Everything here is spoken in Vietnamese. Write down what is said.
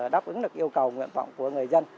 đáp ứng được yêu cầu nguyện vọng của người dân